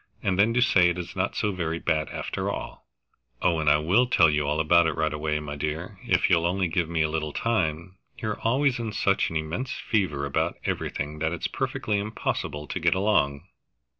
"And then to say it is not so very bad after all!" "Oh, I will tell you all about it right away, my dear, if you'll only give me a little time. You're always in such an immense fever about everything that it's perfectly impossible to get along."